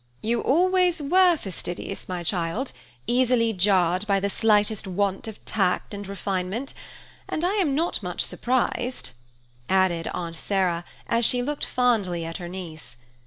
"You always were fastidious, my child, easily jarred by the slightest want of tact and refinement, and I am not much surprised," added Aunt Sarah, as she looked fondly at her niece.